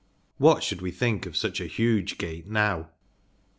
What should we think of such a huge gate now